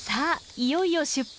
いよいよ出発。